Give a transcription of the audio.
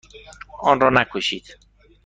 آن را نکشید.